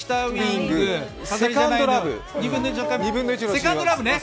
「セカンド・ラブ」ね。